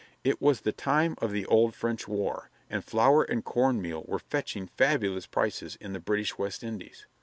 It was the time of the old French war, and flour and corn meal were fetching fabulous prices in the British West Indies.